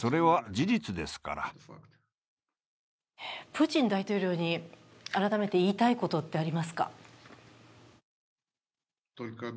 プーチン大統領に改めて言いたいことってありますか？